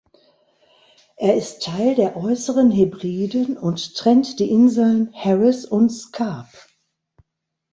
Er ist Teil der Äußeren Hebriden und trennt die Inseln Harris und Scarp.